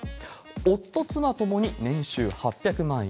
夫、妻ともに年収８００万円。